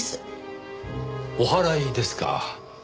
おはらいですか。